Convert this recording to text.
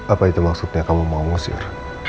apa itu maksudnya kamu mau ngusir